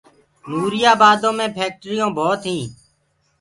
نوريآ بآدو مي ڦيڪٽريونٚ ڀوت هينٚ